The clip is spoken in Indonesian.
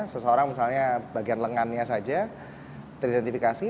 seseorang misalnya bagian lengannya saja teridentifikasi